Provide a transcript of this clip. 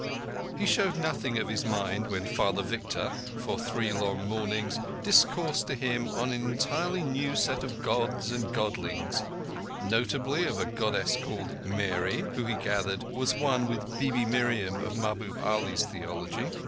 He showed nothing of his mind when Father Victor, for three long mornings, discoursed to him of an entirely new set of Gods and Godlings—notably of a Goddess called Mary, who, he gathered, was one with Bibi Miriam of Mahbub Ali's theology.